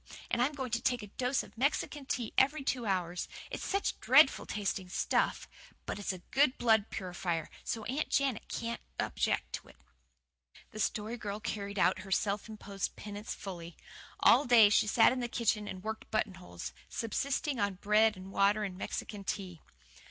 And I'm going to take a dose of Mexican Tea every two hours. It's such dreadful tasting stuff but it's a good blood purifier, so Aunt Janet can't object to it." The Story Girl carried out her self imposed penance fully. All day she sat in the kitchen and worked buttonholes, subsisting on bread and water and Mexican Tea.